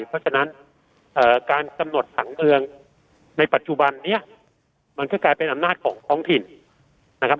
เพราะฉะนั้นการกำหนดผังเมืองในปัจจุบันนี้มันก็กลายเป็นอำนาจของท้องถิ่นนะครับ